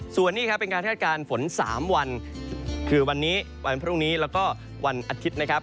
ส่วนนี้ครับเป็นการคาดการณ์ฝน๓วันคือวันนี้วันพรุ่งนี้แล้วก็วันอาทิตย์นะครับ